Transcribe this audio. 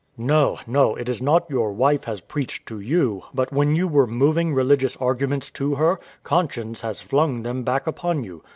R.C. No, no, it is not your wife has preached to you; but when you were moving religious arguments to her, conscience has flung them back upon you.